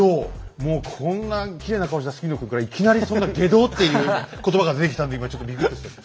もうこんなきれいな顔した杉野君からいきなりそんな「外道」っていう言葉が出てきたんで今ちょっとびくっとしちゃった。